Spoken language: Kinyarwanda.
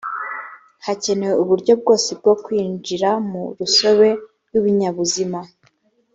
hakenewe uburyo bwose bwo kwinjira mu rusobe rw’ibinyabuzima